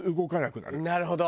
なるほど。